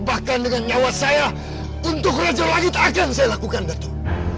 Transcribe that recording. bahkan dengan nyawa saya untuk raja langit akan saya lakukan itu